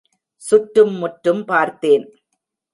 சுற்றும் முற்றும் பார்தேன்.